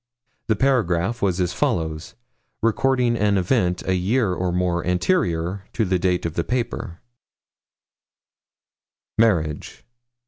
The paragraph was as follows, recording an event a year or more anterior to the date of the paper: 'MARRIAGE.